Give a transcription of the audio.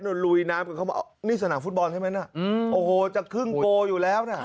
ลุยน้ำกันเข้ามานี่สนามฟุตบอลใช่ไหมน่ะโอ้โหจะครึ่งโกลอยู่แล้วน่ะ